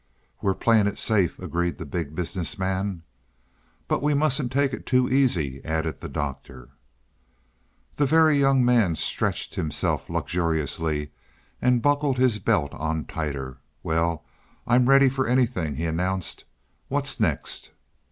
"We're playing it safe," agreed the Big Business Man. "But we mustn't take it too easy," added the Doctor. The Very Young Man stretched himself luxuriously and buckled his belt on tighter. "Well, I'm ready for anything," he announced. "What's next?"